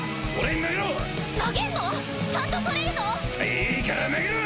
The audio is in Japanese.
いいから投げろ！